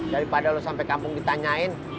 daripada lo sampai kampung ditanyain